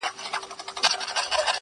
• لاړ پر لاړ پېيلي غرونه -